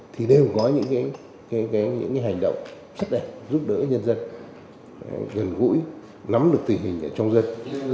thì đều có những hành động rất đẹp giúp đỡ nhân dân gần gũi nắm được tình hình ở trong dân